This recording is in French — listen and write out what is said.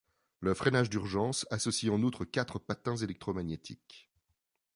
Le freinage d'urgence associe en outre quatre patins électromagnétiques.